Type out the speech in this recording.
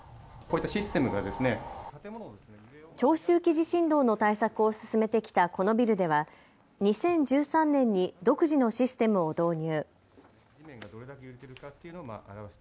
長周期地震動の対策を進めてきたこのビルでは２０１３年に独自のシステムを導入。